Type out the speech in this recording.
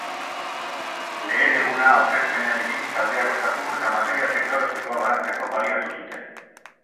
Lehen eguna aurkezpena egin, taldeak osatu eta material teknologikoa banatzeko baliatu zuten.